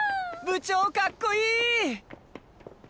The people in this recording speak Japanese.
部長かっこいい！